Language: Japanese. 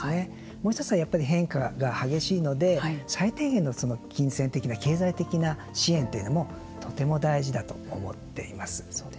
もう一つはやっぱり変化が激しいので最低限の金銭的な経済的な支援というのもとても大事だと思っています。